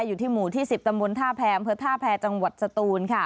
อยู่ที่หมู่ที่๑๐ตำบลท่าแพรอำเภอท่าแพรจังหวัดสตูนค่ะ